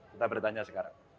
kita bertanya sekarang